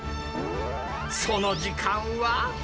その時間は？